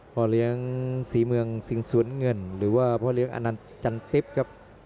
พ่อเลี้ยงศรีเมืองสิงสวนเงินหรือว่าพ่อเลี้ยงอนันต์จันติ๊บครับ